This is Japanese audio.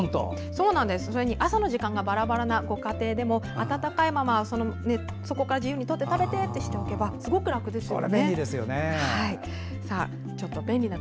朝の時間がばらばらなご家庭でも温かいままそこから自由にとって食べてとしておけばすごく便利ですよね。